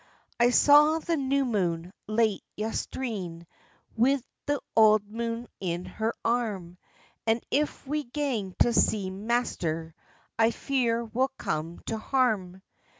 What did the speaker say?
I saw the new moon, late yestreen, Wi' the auld moon in her arm; And if we gang to sea, master, I fear we'll come to harm."